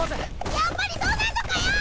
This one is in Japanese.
やっぱりそうなんのかよ！